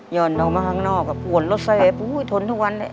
ยอดน้องมาข้างนอกปวดรถแซ่บทนทุกวันเลย